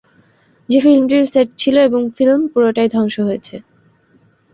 যে ফিল্মটির সেট ছিল এবং ফিল্ম, পুরটাই ধ্বংস হয়েছে।